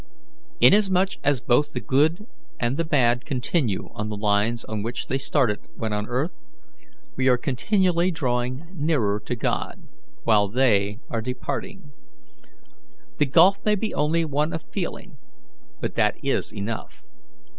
"Inasmuch as both the good and the bad continue on the lines on which they started when on earth, we are continually drawing nearer to God, while they are departing. The gulf may be only one of feeling, but that is enough.